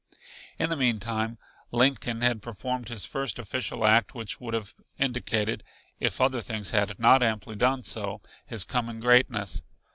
In the meantime Lincoln had performed his first official act which would have indicated, if other things had not amply done so, his coming greatness.